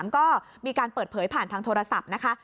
ก็มีการเปิดเผยผ่านทางโทรศัพท์นะคะ